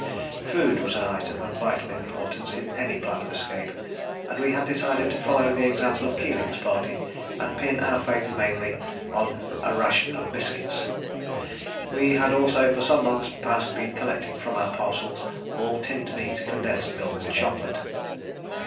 Food was an item of vital importance in any plan of escape, and we had decided to follow the example of Keeling's party and pin our faith mainly to a ration of biscuits. We had also for some months past been collecting from our parcels all tinned meat, condensed milk, and chocolate.